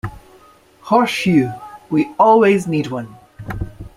Hortefeux - We always need one!